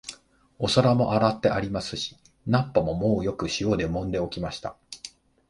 お皿も洗ってありますし、菜っ葉ももうよく塩でもんで置きました